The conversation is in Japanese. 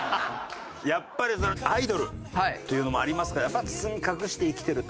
やっぱりアイドルっていうのもありますから包み隠して生きてると。